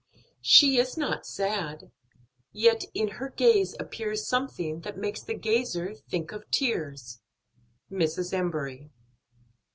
She is not sad, yet in her gaze appears Something that makes the gazer think of tears. MRS. EMBURY.